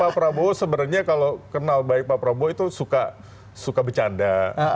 pak prabowo sebenarnya kalau kenal baik pak prabowo itu suka bercanda